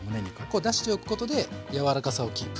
こう出しておくことでやわらかさをキープ。